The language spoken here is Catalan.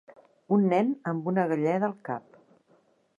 Un nen amb una galleda al cap.